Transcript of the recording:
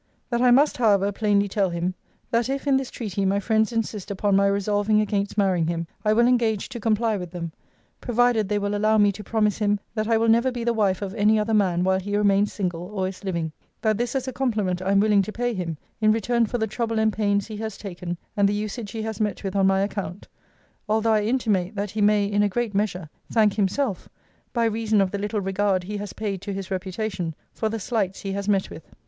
'That I must, however, plainly tell him, 'That if, in this treaty, my friends insist upon my resolving against marrying him, I will engage to comply with them; provided they will allow me to promise him, that I will never be the wife of any other man while he remains single, or is living: that this is a compliment I am willing to pay him, in return for the trouble and pains he has taken, and the usage he has met with on my account: although I intimate, that he may, in a great measure, thank himself (by reason of the little regard he has paid to his reputation) for the slights he has met with.'